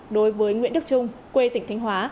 đối với nguyễn đức trung quê tỉnh thánh hóa